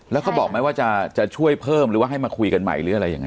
แล้วเขาบอกไหมว่าจะช่วยเพิ่มหรือว่าให้มาคุยกันใหม่หรืออะไรยังไง